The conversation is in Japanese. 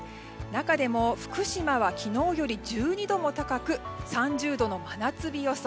中でも福島は昨日よりも１２度も高く３３０度の真夏日予想。